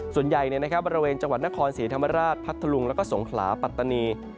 ส่วนใหญ่บริเวณจังหวัดนครศรีธรรมราชพัทธลุงแล้วก็สงขลาปัตตานี